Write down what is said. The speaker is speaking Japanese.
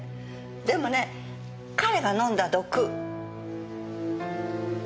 でもね彼が飲んだ毒。